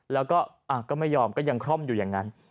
แล้วก็ไม่ยอมก็ยังคล่อมอยู่อย่างนั้น